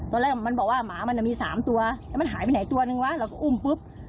ตอนแรกมันบอกว่าหมามันมี๓ตัวแล้วมันหายไปไหนตัวนึงวะเราก็อุ้มปุ๊บ